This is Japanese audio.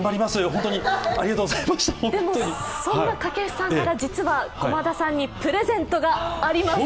でも、そんな掛布さんから駒田さんにプレゼントがあります。